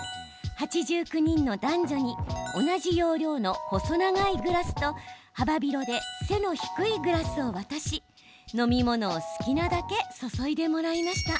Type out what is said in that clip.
８９人の男女に同じ容量の細長いグラスと幅広で背の低いグラスを渡し飲み物を好きなだけ注いでもらいました。